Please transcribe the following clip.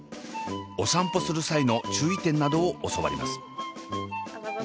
お散歩する際の注意点などを教わります。